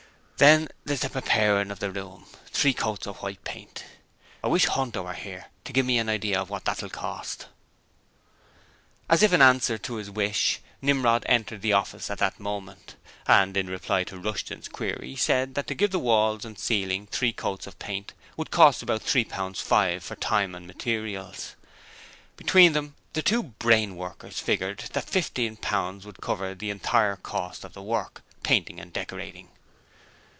Then there's the preparing of the room. Three coats of white paint. I wish Hunter was here to give me an idea what it will cost.' As if in answer to his wish, Nimrod entered the office at that moment, and in reply to Rushton's query said that to give the walls and ceiling three coats of paint would cost about three pounds five for time and material. Between them the two brain workers figured that fifteen pounds would cover the entire cost of the work painting and decorating.